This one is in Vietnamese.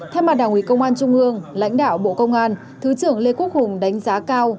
thay mặt đảng ủy công an trung ương lãnh đạo bộ công an thứ trưởng lê quốc hùng đánh giá cao